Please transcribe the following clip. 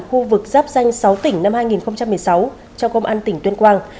khu vực giáp danh sáu tỉnh năm hai nghìn một mươi sáu cho công an tỉnh tuyên quang